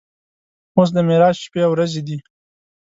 اوس د معراج شپې او ورځې دي.